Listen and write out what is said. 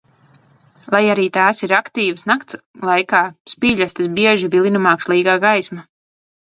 Lai arī tās ir aktīvas nakts laikā, spīļastes bieži vilina mākslīgā gaisma.